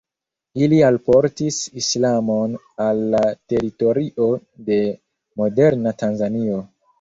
Ili alportis islamon al la teritorio de moderna Tanzanio.